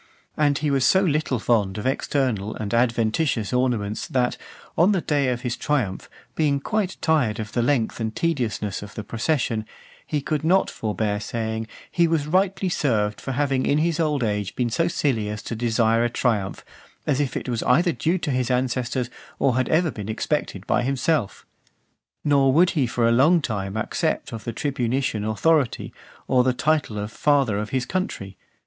And he was so little fond of external and adventitious ornaments, that, on the day of his triumph , being quite tired of the length and tediousness of the procession, he could not forbear saying, "he was rightly served, for having in his old age been so silly as to desire a triumph; as if it was either due to his ancestors, or had ever been expected by himself." Nor would he for a long time accept of the tribunitian authority, or the title of Father of his Country.